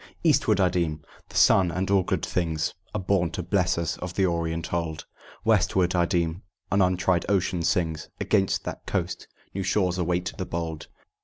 "Eastward, I deem: the sun and all good things Are born to bless us of the Orient old." "Westward, I deem: an untried ocean sings Against that coast, 'New shores await the bold.'"